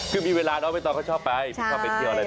คือมีเวลาน้องเบ้ยต้องก็ชอบไปไม่ต้องไปที่อะไรแบบนี้